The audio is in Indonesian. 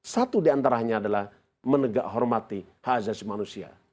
satu diantaranya adalah menegak hormati hak asasi manusia